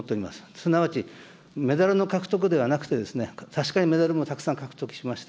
すなわちメダルの獲得ではなくて、確かにメダルもたくさん獲得しました。